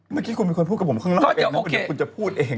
เมื่อกี้มิก็พูดกับผมข้างล่างเองนับเนื้อคุณจะพูดเอง